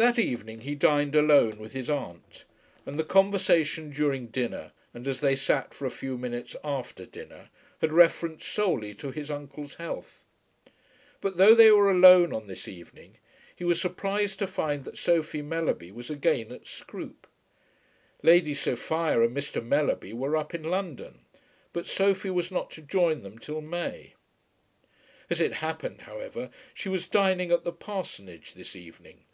That evening he dined alone with his aunt, and the conversation during dinner and as they sat for a few minutes after dinner had reference solely to his uncle's health. But, though they were alone on this evening, he was surprised to find that Sophie Mellerby was again at Scroope. Lady Sophia and Mr. Mellerby were up in London, but Sophie was not to join them till May. As it happened, however, she was dining at the parsonage this evening.